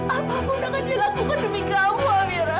apapun akan dilakukan demi kamu amira